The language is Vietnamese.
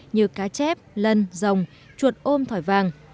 như cá chép lân rồng chuột ôm thỏi vàng